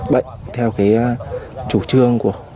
bệnh theo chủ trương